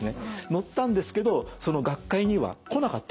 載ったんですけどその学会には来なかったんです。